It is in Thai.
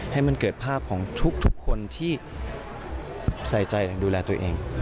ให้มันเกิดภาพของทุกคนที่ใส่ใจดูแลตัวเอง